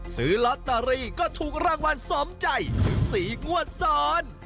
ซื้อลอตเตอรี่ก็ถูกรางวัลสมใจถึง๔งวดซ้อน